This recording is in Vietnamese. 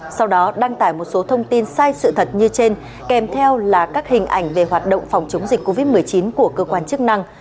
sau đó đăng tải một số thông tin sai sự thật như trên kèm theo là các hình ảnh về hoạt động phòng chống dịch covid một mươi chín của cơ quan chức năng